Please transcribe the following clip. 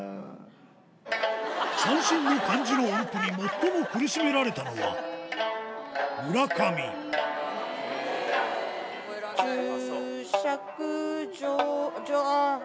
三線の漢字の音符に最も苦しめられたのは村上中尺上あぁ弦が。